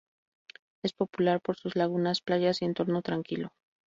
Es popular por sus lagunas, playas y entorno tranquilo.